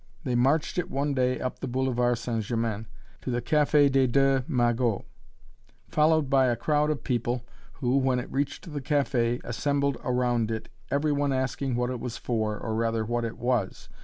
They marched it one day up the Boulevard St. Germain to the Café des deux Magots, followed by a crowd of people, who, when it reached the café, assembled around it, every one asking what it was for or rather what it was?